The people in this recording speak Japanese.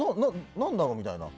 何だろうみたいな。